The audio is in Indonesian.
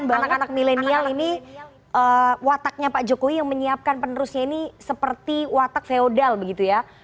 anak anak milenial ini wataknya pak jokowi yang menyiapkan penerusnya ini seperti watak feodal begitu ya